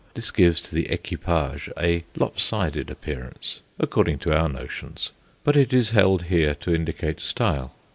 This gives to the equipage a lop sided appearance, according to our notions, but it is held here to indicate style.